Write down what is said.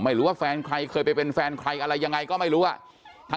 หรือว่าแฟนใครเคยไปเป็นแฟนใครอะไรยังไงก็ไม่รู้อ่ะ